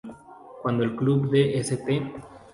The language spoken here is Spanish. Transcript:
Cuando el club de St.